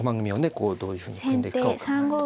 こうどういうふうに組んでいくかを考えると。